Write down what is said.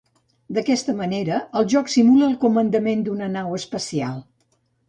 D'aquesta manera, el joc simula el comandament d'una nau espacial.